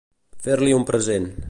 Fer-li un present.